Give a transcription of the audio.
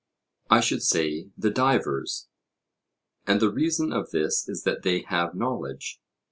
I should say, the divers. And the reason of this is that they have knowledge?